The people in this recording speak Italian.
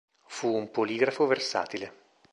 Fu un poligrafo versatile.